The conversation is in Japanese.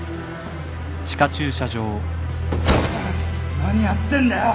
何やってんだよ！